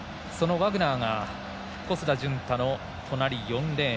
ワグナーが小須田潤太の隣４レーン。